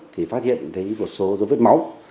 thì phát hiện thấy một số dấu vết máu